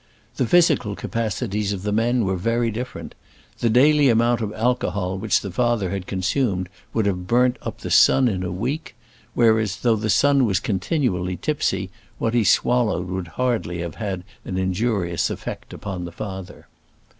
The physical capacities of the men were very different. The daily amount of alcohol which the father had consumed would have burnt up the son in a week; whereas, though the son was continually tipsy, what he swallowed would hardly have had an injurious effect upon the father.